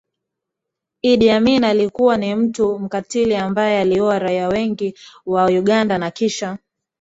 Idi Amin alikuwa ni mtu mkatili ambaye aliua raia wengi wa Uganda na kisha